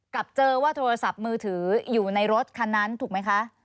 เจอว่าโทรศัพท์มือถืออยู่ในรถคันนั้นถูกไหมคะ